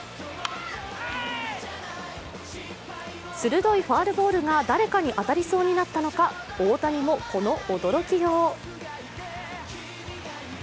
鋭いファウルボールが誰かに当たりそうになったのか、大谷も、この驚きよう。